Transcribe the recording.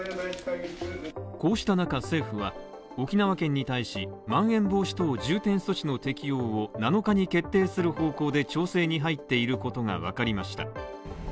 こうした中、政府は沖縄県に対し、まん延防止等重点措置の適用を７日に決定する方向で調整に入っていることがわかりました。